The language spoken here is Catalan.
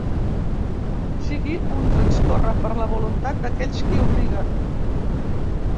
Sigui un transcórrer per la voluntat d’aquells qui obliguen.